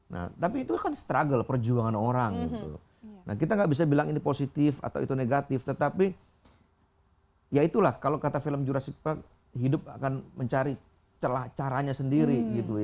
nah tapi itu kan struggle perjuangan orang nah kita nggak bisa bilang ini positif atau itu negatif tetapi ya itulah kalau kata film jurasi hidup akan mencari celah caranya sendiri